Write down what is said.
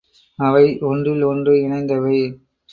அவை ஒன்றில் ஒன்று இணைந்தவை.